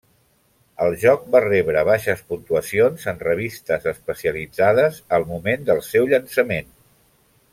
El joc va rebre baixes puntuacions en revistes especialitzades al moment del seu llançament.